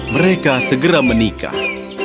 mereka segera menikah